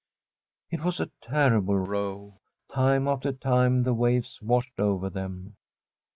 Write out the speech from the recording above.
It was a terrible row. Time after time the waves washed over them.